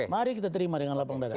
mari kita terima dengan lapang dada